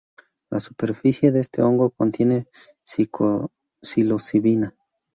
La superficie de este hongo contiene psilocibina.